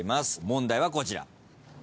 問題はこちら。